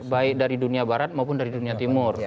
baik dari dunia barat maupun dari dunia timur